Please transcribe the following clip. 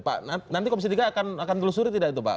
pak nanti komisi tiga akan telusuri tidak itu pak